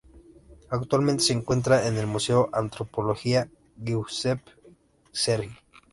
Actualmente se encuentran en el Museo de Antropología Giuseppe Sergi.